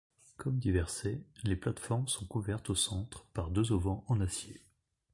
Comme Diversey, les plates-formes sont couvertes au centre par deux auvents en acier.